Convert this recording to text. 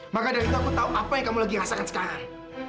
maka dari itu aku tahu apa yang kamu lagi rasakan sekarang